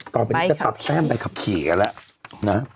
ตอนนี้จะตัดแต้มไปขับขี่กันล่ะ